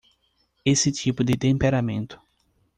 Esse tipo de temperamento